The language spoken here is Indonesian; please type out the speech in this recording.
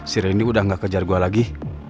sireni udah gak kejar gue lagi